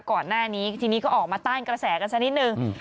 ก่อนหน้านี้ทีนี้ก็ออกมาต้านกระแสกันสักนิดนึง